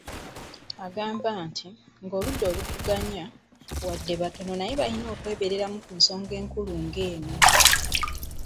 Agamba nti ,"Ng’oludda oluvuganya, wadde batono naye baalina okwebeereramu ku nsonga enkulu ng’eno".